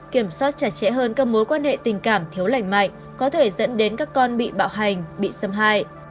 kiểm soát chặt chẽ hơn các mối quan hệ tình cảm thiếu lành mạnh có thể dẫn đến các con bị bạo hành bị xâm hại